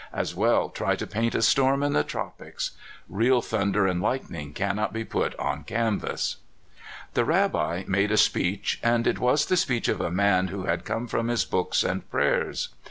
As well try to paint a storm in the tropics. Real thunder and lightning cannot be put on canvas. The Rabbi made a speech, and it was the speech of a man who had come from his books and prayers.